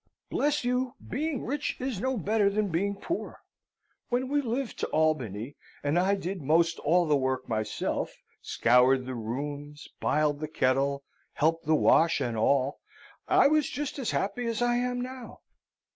Bless you being rich is no better than being poor. When we lived to Albany, and I did most all the work myself, scoured the rooms, biled the kettle, helped the wash, and all, I was just as happy as I am now.